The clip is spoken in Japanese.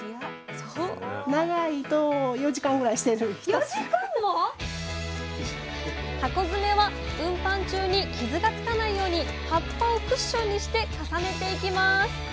４時間も⁉箱詰めは運搬中に傷がつかないように葉っぱをクッションにして重ねていきます。